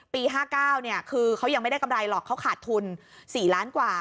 ๕๙คือเขายังไม่ได้กำไรหรอกเขาขาดทุน๔ล้านกว่า